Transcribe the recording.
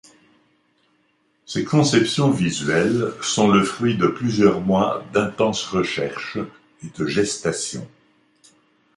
Ses conceptions visuelles sont le fruit de plusieurs mois d'intenses recherches et de gestation.